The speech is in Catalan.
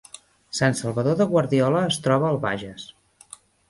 Sant Salvador de Guardiola es troba al Bages